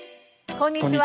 こんにちは。